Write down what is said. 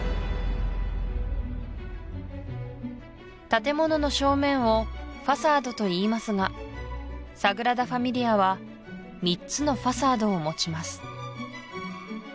建物の正面をファサードといいますがサグラダ・ファミリアは３つのファサードを持ちます